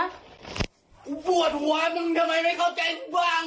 กูปวดหัวมึงทำไมไม่เข้าใจกูว่าง